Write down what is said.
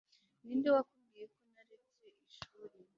Ninde wakubwiye ko naretse ishuri